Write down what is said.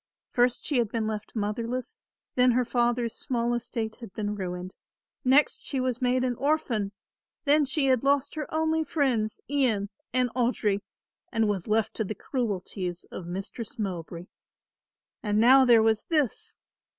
First she had been left motherless, then her father's small estate had been ruined. Next she was made an orphan. Then she had lost her only friends Ian and Audry and was left to the cruelties of Mistress Mowbray. And now there was this.